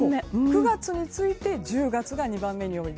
９月に次いで１０月が２番目に多い。